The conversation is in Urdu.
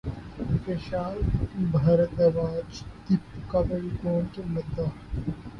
ویشال بھردواج دپیکا پڈوکون کے مداح